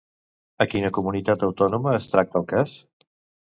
A quina comunitat autònoma es tracta el cas?